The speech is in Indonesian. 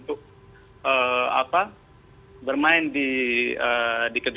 ya kita berpensihan saja